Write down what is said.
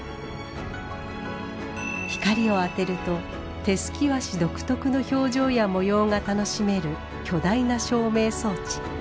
光を当てると手すき和紙独特の表情や模様が楽しめる巨大な照明装置。